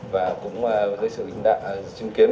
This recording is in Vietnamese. và cũng dưới sự trình kiến